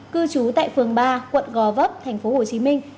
cư trú tại phường ba quận gò vấp thành phố hồ chí minh